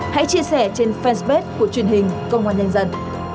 hãy chia sẻ trên fanpage của truyền hình công an nhân dân